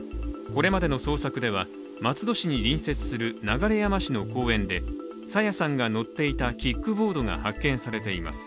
これまでの捜索では松戸市に隣接する流山市の公園で朝芽さんが乗っていたキックボードが発見されています。